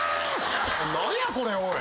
何やこれおい。